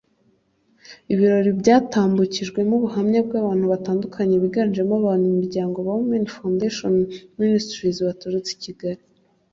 Ibirori byatambukijwemo ubuhamya bw'abantu batandukanye biganjemo abanyamuryango ba Women Foundation Ministries baturutse i Kigali